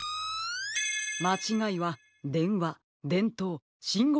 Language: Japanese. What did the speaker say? まちがいはでんわでんとうしんごうきの３つです。